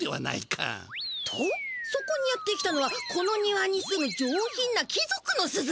とそこにやって来たのはこの庭に住む上品な貴族のスズメ。